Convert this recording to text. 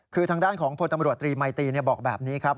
คือทางด้านของพลตำรวจตรีมัยตีบอกแบบนี้ครับ